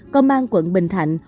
công an quận bình thạnh